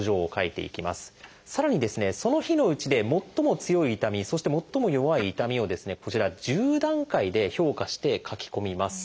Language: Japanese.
さらにその日のうちで「もっとも強い痛み」そして「もっとも弱い痛み」をこちら１０段階で評価して書き込みます。